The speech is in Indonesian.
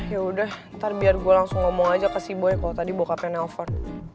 yaudah ntar biar gue langsung ngomong aja ke si boy kalau tadi bokapnya nelpon